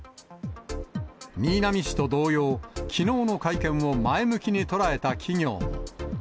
新浪氏と同様、きのうの会見を前向きに捉えた企業も。